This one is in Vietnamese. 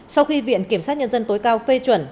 sau khi viện kiểm sát nhân dân tối cao phê chuẩn